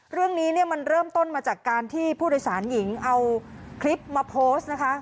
เรื่องนี้เนี่ยมันเริ่มต้นมาจากการที่ผู้โดยสารหญิงเอาคลิปมาโพสต์นะคะ